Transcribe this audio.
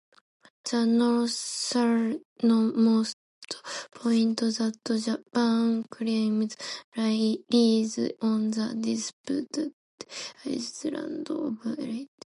The northernmost point that Japan claims lies on the disputed island of Iturup.